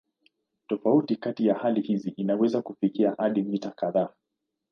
Tofauti kati ya hali hizi inaweza kufikia hadi mita kadhaa.